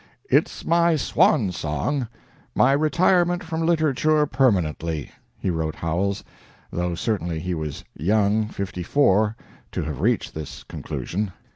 "It's my swan song, my retirement from literature permanently," he wrote Howells, though certainly he was young, fifty four, to have reached this conclusion.